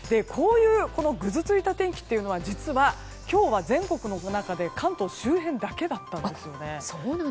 ぐずついた天気というのは実は、今日は全国の中で関東周辺だけだったんですね。